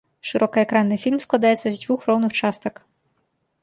Шырокаэкранны фільм складаецца з дзвюх роўных частак.